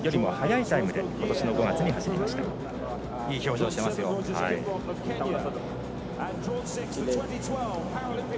いい表情をしていましたよ。